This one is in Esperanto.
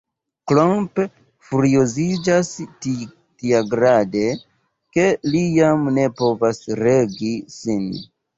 Klomp furioziĝas tiagrade, ke li jam ne povas regi sin.